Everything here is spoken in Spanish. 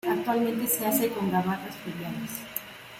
Actualmente se hace con gabarras fluviales.